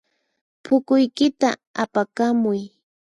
P'ukuykita apakamuy.